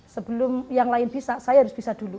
sebelum yang lain bisa saya harus bisa dulu